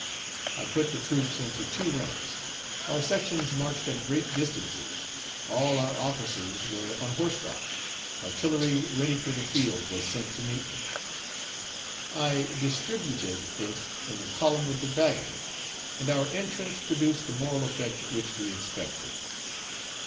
I put the troops into two ranks: our sections marched at great distances; all our officers were on horseback; artillery ready for the field was sent to meet me; I distributed it in the column with the baggage; and our entrance produced the moral effect which we expected."